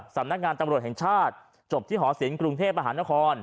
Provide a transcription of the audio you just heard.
สำนักงานตำรวจแห่งชาติจบที่หอศิลปกรุงเทพมหานคร